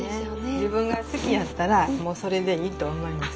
自分が好きやったらもうそれでいいと思います。